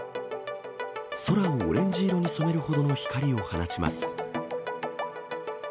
空をオレンジ色に染めるほどの光を放ちます。